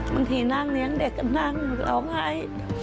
บางทีนั่งเลี้ยงเด็กก็นั่งร้องไห้